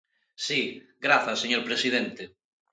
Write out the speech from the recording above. Si, grazas señor presidente.